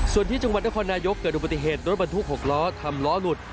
ส่วนที่จังหวัดนครนายกเกิดอุบัติเหตุรถบรรทุก๖ล้อทำล้อหลุด